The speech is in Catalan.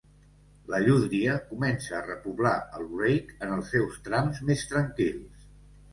La llúdria comença a repoblar el Wreake en els seus trams més tranquils.